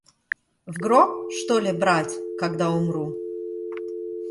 В гроб, что ли, брать, когда умру?